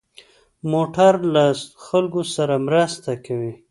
موټر له خلکو سره مرسته کوي.